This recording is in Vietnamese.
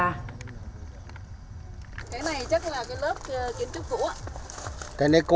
cái này chắc là cái lớp kiến trúc cũ